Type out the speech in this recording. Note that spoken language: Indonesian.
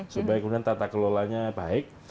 supaya kemudian tata kelolanya baik